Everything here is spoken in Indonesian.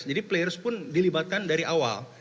jadi players pun dilibatkan dari awal